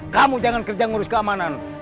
kamu jangan kerja ngurus keamanan